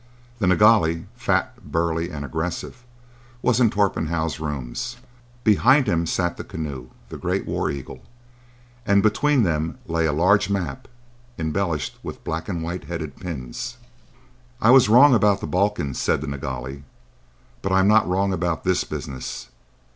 The Nilghai, fat, burly, and aggressive, was in Torpenhow's rooms. Behind him sat the Keneu, the Great War Eagle, and between them lay a large map embellished with black and white headed pins. "I was wrong about the Balkans," said the Nilghai. "But I'm not wrong about this business.